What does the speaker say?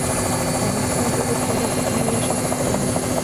افغانستان د اوښ په برخه کې نړیوال شهرت لري.